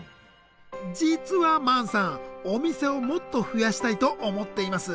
実はマンさんお店をもっと増やしたいと思っています。